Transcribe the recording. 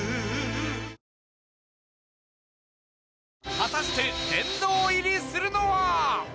果たして殿堂入りするのは？